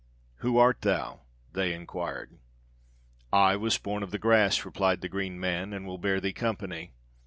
'Who art thou?' inquired they. 'I was born of the grass,' replied the green man, 'and will bear thee company.'